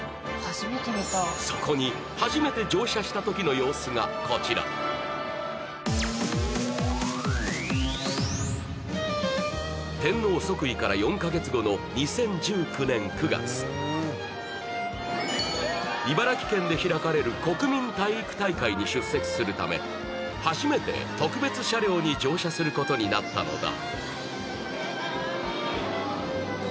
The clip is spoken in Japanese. そこに初めて乗車した時の様子がこちら天皇即位から４か月後の２０１９年９月茨城県で開かれる国民体育大会に出席するため初めて特別車両に乗車することになったのだ